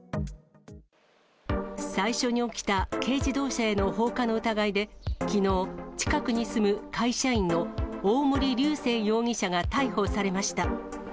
最初に起きた軽自動車への放火の疑いで、きのう、近くに住む会社員の大森隆晴容疑者が逮捕されました。